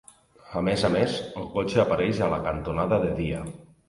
A més a més, el cotxe apareix a la cantonada de dia.